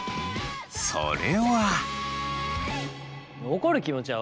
それは。